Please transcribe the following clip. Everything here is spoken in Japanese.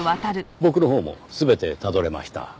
僕のほうも全てたどれました。